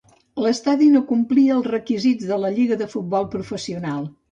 L'estadi no complia els requisits de la Lliga de Futbol Professional.